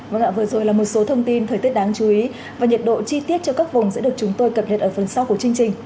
vâng ạ vừa rồi là một số thông tin thời tiết đáng chú ý và nhiệt độ chi tiết cho các vùng sẽ được chúng tôi cập nhật ở phần sau của chương trình